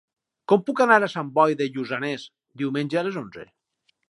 Com puc anar a Sant Boi de Lluçanès diumenge a les onze?